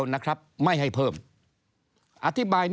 ก็จะมาจับทำเป็นพรบงบประมาณ